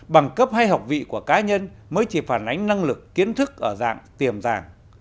bằng cấp hay học vị của cá nhân mới chỉ phản ánh năng lực kiến thức ở dạng tiềm giảng